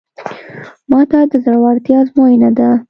ماته د زړورتیا ازموینه ده.